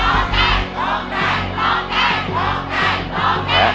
และเพลงที่หนึ่งมูลค่าหนึ่งหมื่นบาทป้าน้อยร้อง